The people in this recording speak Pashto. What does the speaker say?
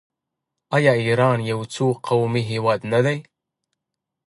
آیا ایران یو څو قومي هیواد نه دی؟